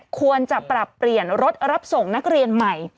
ควรจะปรับเปลี่ยนรถรับส่งนักเรียนใหม่